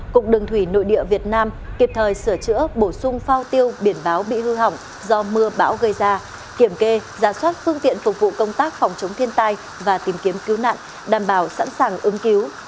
cục đường thủy nội địa việt nam kịp thời sửa chữa bổ sung phao tiêu biển báo bị hư hỏng do mưa bão gây ra kiểm kê giả soát phương tiện phục vụ công tác phòng chống thiên tai và tìm kiếm cứu nạn đảm bảo sẵn sàng ứng cứu